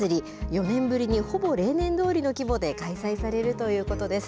４年ぶりに、ほぼ例年どおりの規模で開催されるということです。